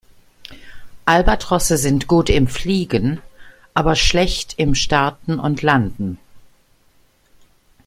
Albatrosse sind gut im Fliegen, aber schlecht im Starten und Landen.